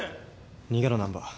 逃げろ難破。